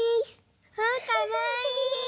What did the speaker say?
あかわいい！